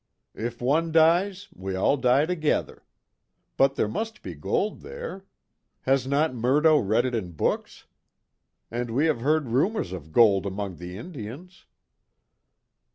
If one dies, we all die together. But there must be gold there. Has not Murdo read it in books? And we have heard rumors of gold among the Indians."